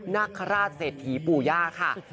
นาคาราชเศรษฐีปู่ย่าค่ะ